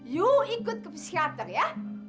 yuk ikut ke psikiater ya